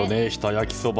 焼きそば。